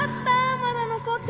まだ残ってて。